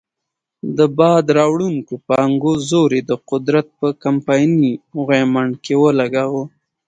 د باد راوړو پانګو زور یې د قدرت په کمپایني غویمنډ کې ولګاوه.